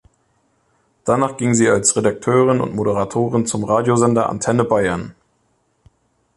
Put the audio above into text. Danach ging sie als Redakteurin und Moderatorin zum Radiosender Antenne Bayern.